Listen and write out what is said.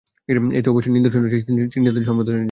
এতে অবশ্যই নিদর্শন রয়েছে চিন্তাশীল সম্প্রদায়ের জন্য।